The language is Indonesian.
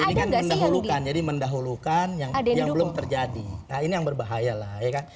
ini ada di luka jadi mendahulukan yang ada yang belum terjadi nah ini yang berbahaya lah ya kan